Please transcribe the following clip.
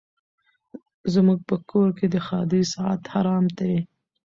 زموږ په کور کي د ښادۍ ساعت حرام دی